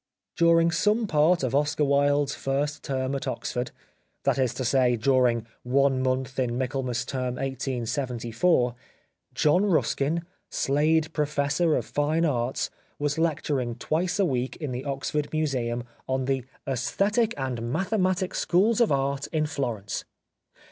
During some part of Oscar Wilde's first term at Oxford — that is to say, during one month in Michaelmas Term 1874 — John Ruskin, Slade Professor of Fine Arts, was lecturing twice a week in the Oxford Museum on the " ^Esthetic and Mathematic schools of Art in Florence."